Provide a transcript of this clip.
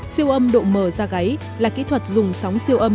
siêu âm độ mờ da gáy là kỹ thuật dùng sóng siêu âm